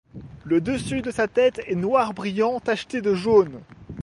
Le dessus de sa tête est noir brillant tacheté de jaune.